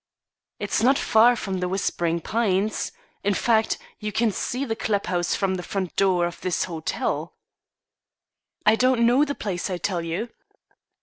"It's not far from The Whispering Pines. In fact, you can see the club house from the front door of this hotel." "I don't know the place, I tell you."